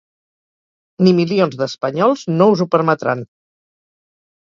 Ni milions d’espanyols no us ho permetran.